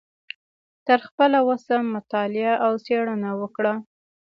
تر خپله وسه مطالعه او څیړنه وکړه